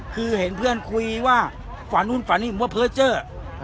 คือเห็นเพื่อนคุยว่าฝันนู่นฝันนี่ผมว่าเพอร์เจอร์